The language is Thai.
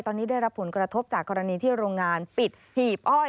ตอนนี้ได้รับผลกระทบจากกรณีที่โรงงานปิดหีบอ้อย